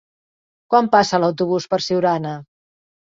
Quan passa l'autobús per Siurana?